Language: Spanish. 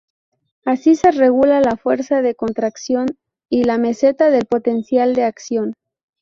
Así se regula la fuerza de contracción y la meseta del potencial de acción.